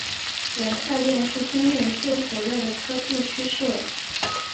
区块链是今年最火热的科技趋势了